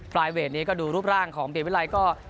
ปลายเวทนี้ก็ดูรูปร่างของเปลี่ยนวิลัยก็